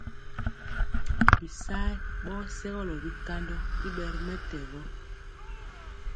Bisayɛ ɓɔ sɛgɔlɔ bikandɔ i ɓɛ ri mɛtɛgɔ.